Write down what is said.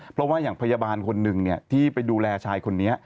เพราะว่าอย่างพยาบาลคนหนึ่งที่ไปดูแลชายคนนี้